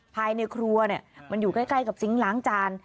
ภายในครัวเนี่ยมันอยู่ใกล้ใกล้กับซิงค์ล้างจาน